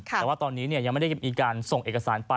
แต่ว่าตอนนี้ยังไม่ได้มีการส่งเอกสารไป